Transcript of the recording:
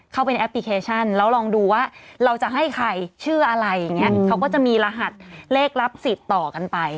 แอปพลิเคชันแล้วลองดูว่าเราจะให้ใครชื่ออะไรอย่างเงี้ยเขาก็จะมีรหัสเลขรับสิทธิ์ต่อกันไป